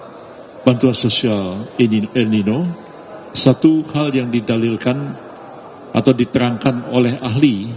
dan bantuan sosial ilnino satu hal yang didalilkan atau diterangkan oleh ahli